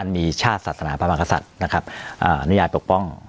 มีชาติศาสนาพระมหากษัตริย์นะครับนิยายปกป้อง